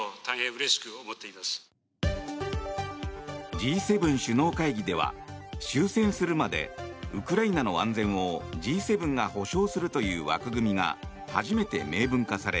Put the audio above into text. Ｇ７首脳会議では終戦するまでウクライナの安全をＧ７が保障するという枠組みが初めて明文化され